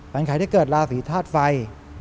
ฝันไขที่เกิดราศีธาตุไฟ